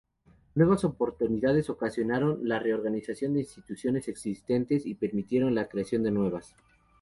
Nuevas oportunidades ocasionaron la reorganización de instituciones existentes y permitieron la creación de nuevas.